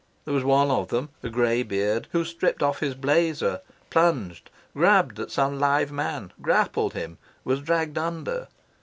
There was one of them a grey beard who stripped off his blazer, plunged, grabbed at some live man, grappled him, was dragged under.